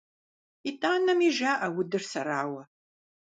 ИтӀанэми жаӀэ удыр сэрауэ!